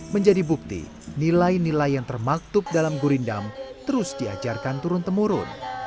menjadi bukti nilai nilai yang termaktub dalam gurindam terus diajarkan turun temurun